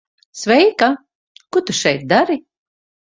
Sveika. Ko tu šeit dari?